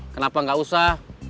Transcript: kenapa gak usah